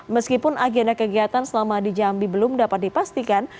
meskipun agenda kegiatan selama di jambi belum dapat dipastikan